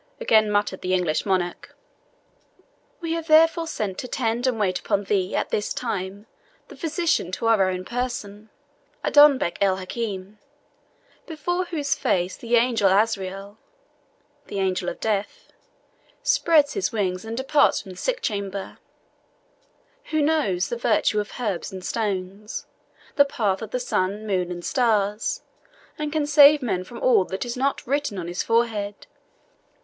again muttered the English monarch], we have therefore sent to tend and wait upon thee at this time the physician to our own person, Adonbec el Hakim, before whose face the angel Azrael [The Angel of Death.] spreads his wings and departs from the sick chamber; who knows the virtues of herbs and stones, the path of the sun, moon, and stars, and can save man from all that is not written on his forehead.